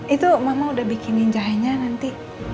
itu mama udah bikinin jahenya nanti